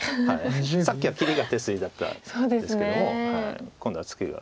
さっきは切りが手筋だったですけども今度はツケが。